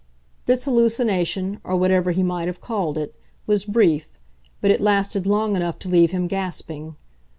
This hallucination, or whatever he might have called it, was brief, but it lasted long enough to leave him gasping.